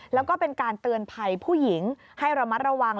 แล้วก็เป็นการเตือนภัยผู้หญิงให้ระมัดระวัง